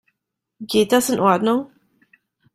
Geht das in Ordnung?